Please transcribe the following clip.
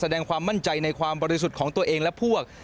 แสดงความมั่นใจในความบริสุทธิ์ของตัวเองและพวก